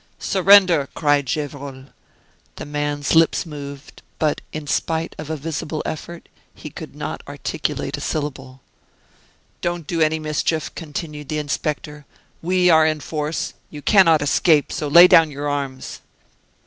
"Surrender!" cried Gevrol. The man's lips moved, but in spite of a visible effort he could not articulate a syllable. "Don't do any mischief," continued the inspector, "we are in force, you can not escape; so lay down your arms."